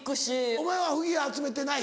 お前はフィギュア集めてない？